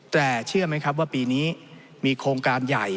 แต่เชื่อไหมครับว่าปีนี้มีโครงการใหญ่